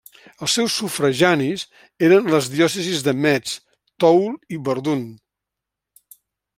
Els seus sufraganis eren les diòcesis de Metz, Toul i Verdun.